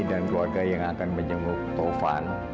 dan keluarga yang akan menyembuh tovan